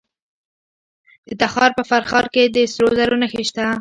د تخار په فرخار کې د سرو زرو نښې شته.